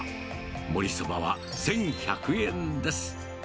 もりそばは１１００円です。